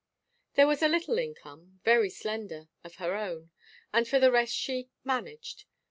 There was a little income very slender of her own, and for the rest she "managed."